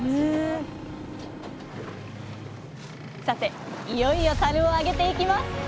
さていよいよたるを上げていきます！